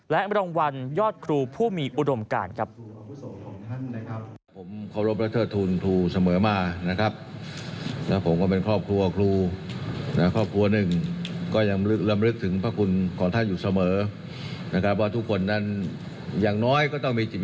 และรางวัลยอดครูผู้มีอุดมการครับ